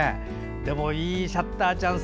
でも、いいシャッターチャンス。